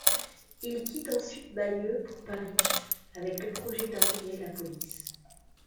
Il quitte ensuite Bayeux pour Paris, avec le projet d'intégrer la Police.